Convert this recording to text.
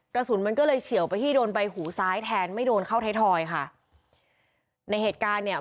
กระสุนมันก็เลยเฉียวไปที่โดนใบหูซ้ายแทนไม่โดนเข้าไทยทอยค่ะในเหตุการณ์เนี่ย